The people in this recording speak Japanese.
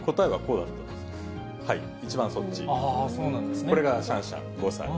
これがシャンシャン５歳。